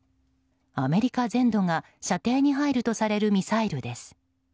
アメリカ全土が射程に入るとされるミサイルです。